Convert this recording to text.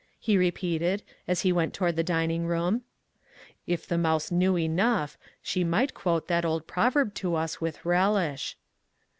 " he repeated as he went toward the dining room. " If the mouse knew enough, she might quote that old proverb to us with relish."